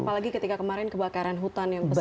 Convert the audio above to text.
apalagi ketika kemarin kebakaran hutan yang besar